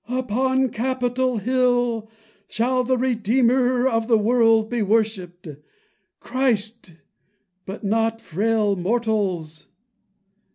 "Upon Capitol Hill shall the Redeemer of the world be worshiped,—Christ—but not frail mortals."